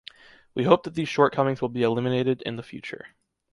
We hope that these shortcomings will be eliminated in the future.